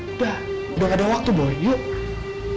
udah udah ada waktu boy yuk